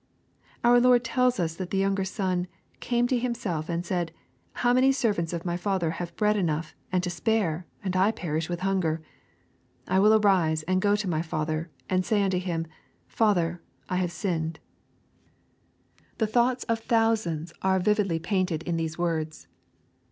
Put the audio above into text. Our Lord tells us that the youuger son " came to himself and said, how many servants of my father have bread enough and to spare, and I perish with hunger ? I will arise and go to my father, and say unto him, Father, I have sinned." The thoughts of thousands are vividly painted in these LUKE, CHAP. XV. 183 woids.